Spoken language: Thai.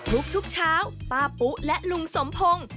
ทุกเช้าป้าปุ๊และลุงสมพงศ์